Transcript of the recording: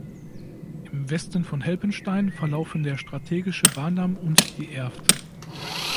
Im Westen von Helpenstein verlaufen der Strategische Bahndamm und die Erft.